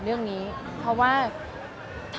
สวัสดีคุณครับสวัสดีคุณครับ